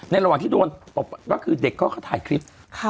ระหว่างที่โดนตบก็คือเด็กเขาก็ถ่ายคลิป